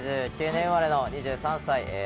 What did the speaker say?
１９９９年生まれの、２３歳。